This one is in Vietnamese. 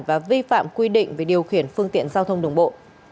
và vi phạm quy định về điều khiển phương tiện giao thông đường bộ